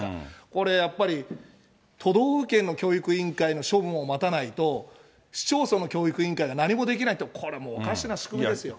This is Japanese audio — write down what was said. これやっぱり、都道府県の教育委員会の処分を待たないと市町村の教育委員会が何もできないって、これもおかしな仕組みですよ。